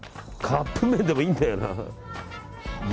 カップ麺でもいいんだよな。